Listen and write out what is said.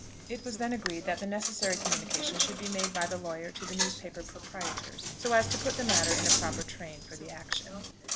It was then agreed that the necessary communication should be made by the lawyer to the newspaper proprietors, so as to put the matter in a proper train for the action.